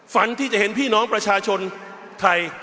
ฝันที่จะเห็นพี่น้องประชาชนไทย